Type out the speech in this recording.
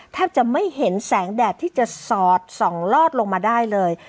แทบจะไม่เห็นแสงแดดที่จะสอดส่องลอดลงมาได้เลย